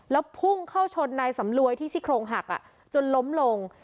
แล้วพุ่งเข้าชนนายสำรวยที่ซี่โครงหักจนล้มลง